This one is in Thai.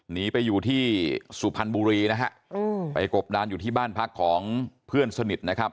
หนีไปอยู่ที่สุพรรณบุรีนะฮะไปกบดานอยู่ที่บ้านพักของเพื่อนสนิทนะครับ